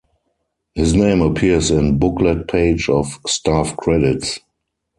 His name appears in booklet page of staff credits.